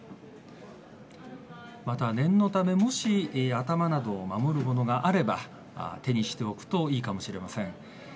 また、念のためもし頭などを守るものがあれば手にしておくといいかもしれません。